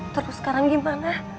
terus sekarang gimana